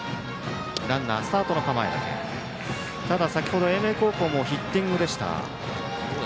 ただ、先程英明高校もヒッティングでした。